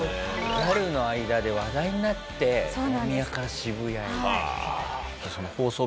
ギャルの間で話題になって大宮から渋谷へ。